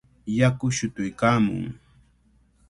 Yaku shutuykaamun.